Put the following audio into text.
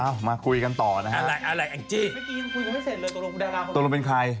อ้าวมาคุยกันต่อนะครับตรงนั้นเป็นใคร